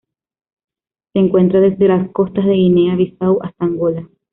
Se encuentra desde las costas de Guinea-Bissau hasta Angola.